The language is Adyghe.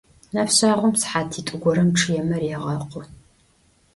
Нэфшъагъом сыхьатитӏу горэм чъыемэ регъэкъу.